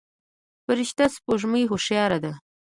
فرشته سپوږمۍ هوښياره ده.